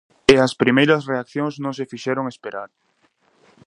E as primeiras reaccións non se fixeron esperar.